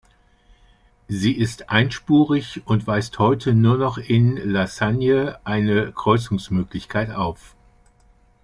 Sie ist einspurig und weist heute nur noch in La Sagne eine Kreuzungsmöglichkeit auf.